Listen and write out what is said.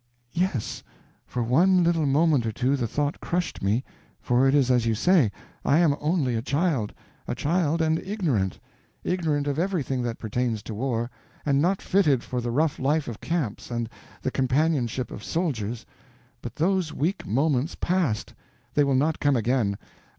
"Yes. For one little moment or two the thought crushed me; for it is as you say—I am only a child; a child and ignorant—ignorant of everything that pertains to war, and not fitted for the rough life of camps and the companionship of soldiers. But those weak moments passed; they will not come again.